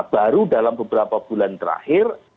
baru dalam beberapa bulan terakhir